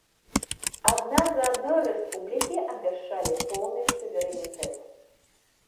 Адна за адной рэспублікі абвяшчала поўны суверэнітэт.